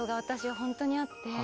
本当にあって。